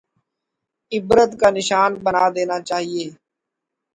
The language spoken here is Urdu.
عبرت کا نشان بنا دینا چاہیے؟